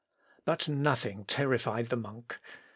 But nothing terrified the monk.